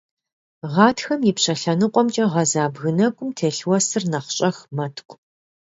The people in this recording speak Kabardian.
Гъатхэм ипщэ лъэныкъуэмкӀэ гъэза бгы нэкӀум телъ уэсыр нэхъ щӀэх мэткӀу.